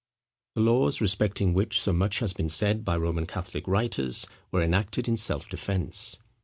The laws, respecting which so much has been said by Roman Catholic writers, were enacted in self defence.